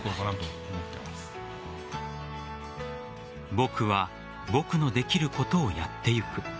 僕は僕のできることをやっていく。